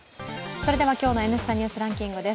それでは今日の「Ｎスタ・ニュースランキング」です。